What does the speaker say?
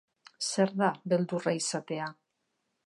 Zer da beldurra izatea?